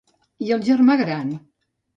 I el germà gran?